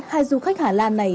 hai du khách hà lan này